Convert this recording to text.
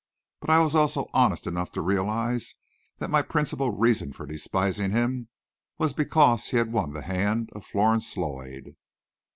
But I was also honest enough to realize that my principal reason for despising him was because he had won the hand of Florence Lloyd.